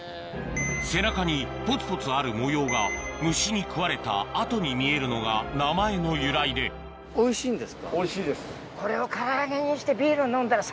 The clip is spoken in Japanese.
背中にポツポツある模様が虫に食われた跡に見えるのが名前の由来でおいしそうやな。